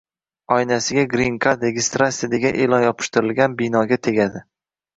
oynasiga «Grin kard» registratsiya» degan e’lon yopishtirilgan binoga tegadi.